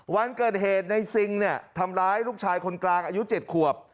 วันเกิดเหตุในซิงเนี่ยทำร้ายลูกชายคนกลางอายุ๗ขวบ